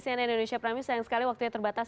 cnn indonesia prime sayang sekali waktunya terbatas